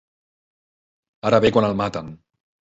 Ara ve quan el maten.